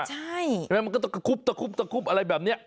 ใช่ไหมมันก็ตะคุบตะคุบตะคุบอะไรแบบนี้